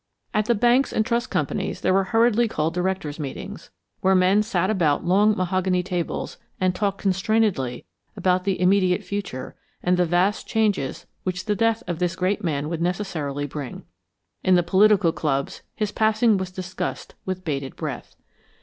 At the banks and trust companies there were hurriedly called directors' meetings, where men sat about long mahogany tables, and talked constrainedly about the immediate future and the vast changes which the death of this great man would necessarily bring. In the political clubs, his passing was discussed with bated breath.